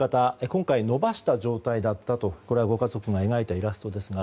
今回伸ばした状態だったとこれはご家族が描いたイラストです。